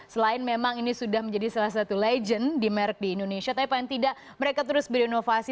selain memang ini sudah menjadi salah satu legend di merek di indonesia tapi paling tidak mereka terus berinovasi